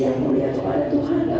yang mulia kepada tuhan dalam